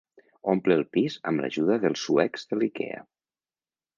Omple el pis amb l'ajuda dels suecs de l'Ikea.